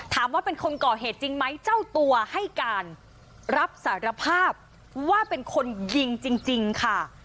ถามว่าเป็นคนก่อเหตุจริงไหมเจ้าตัวให้การรับสารภาพว่าเป็นคนยิงจริงค่ะ